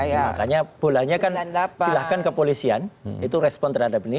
makanya pulangnya kan silahkan ke polisian itu respon terhadap ini